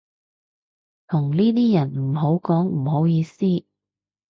同呢啲人唔好講唔好意思